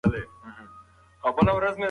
که څه هم ده نه وویل خو خوب ډېر سخت نیولی و.